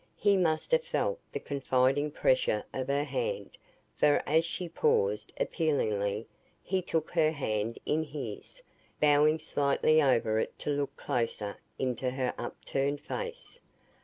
He must have felt the confiding pressure of her hand, for as she paused, appealingly, he took her hand in his, bowing slightly over it to look closer into her upturned face.